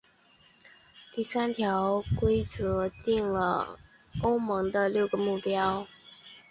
第三条则规定了欧盟的六个目标。